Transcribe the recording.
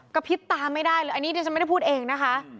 กระพริบตาไม่ได้เลยอันนี้เดี๋ยวจะไม่ได้พูดเองนะคะ